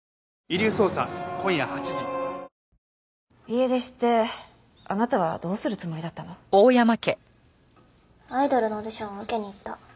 家出してあなたはどうするつもりだったの？アイドルのオーディションを受けに行った。